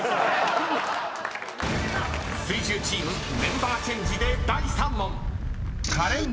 ［水１０チームメンバーチェンジで第３問］